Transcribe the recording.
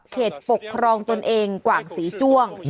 ปกครองตนเองกว่างศรีจ้วง